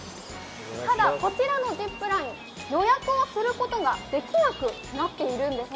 ただ、こちらのジップライン、予約をすることができなくなっているんです。